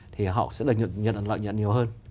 thì họ sẽ được nhận lợi nhận nhiều hơn